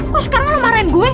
kok sekarang mau marahin gue